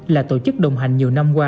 là tổ chức đồng hành nhiều năm qua